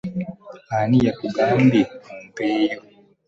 Ani yakugambye ompeeyo.